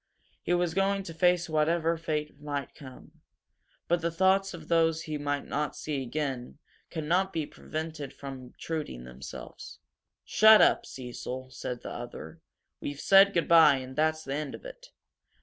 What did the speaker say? He was going to face whatever fate might come, but thoughts of those he might not see again could not be prevented from obtruding themselves. "Shut up, Cecil," said the other. "We've said good bye that's the end of it!